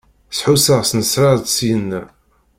Sḥusseɣ snesreɣ-d syina.